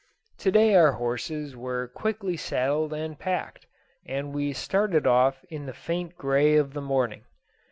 To day our horses were quickly saddled and packed, and we started off in the faint grey of the morning.